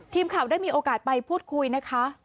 ทีมข่าวได้มีโอกาสไปพูดคุยนะคะ